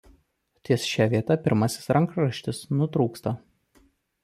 Ties šia vieta pirmasis rankraštis nutrūksta.